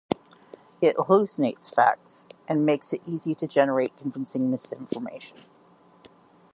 It hallucinates facts and makes it easy to generate convincing misinformation.